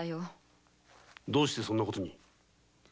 どうしてそんな事に？